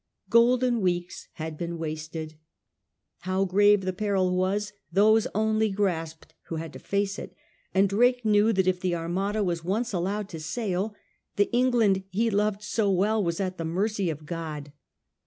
Golden weeks had been wasted. How grave the peril was, those only grasped who had to face it ; and Drake knew that if the Armada was once allowed to sail, the England he loved so well was at the mercy of God.